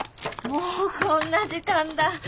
もうこんな時間だ。